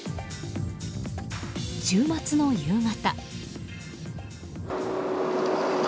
週末の夕方。